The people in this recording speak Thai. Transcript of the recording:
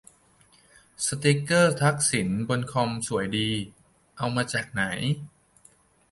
สติกเกอร์ทักษิณบนคอมสวยดี เอามาจากไหน